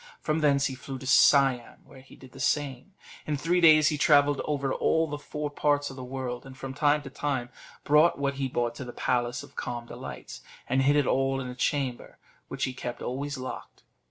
From thence he flew to Siam, where he did the same; in three days he travelled over all the four parts of the world, and, from time to time, brought what he bought to the Palace of Calm Delights, and hid it all in a chamber, which he kept always locked.